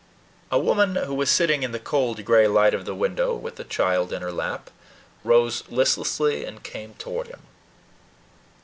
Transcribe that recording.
A woman, who was sitting in the cold gray light of the window, with a child in her lap, rose listlessly, and came toward him.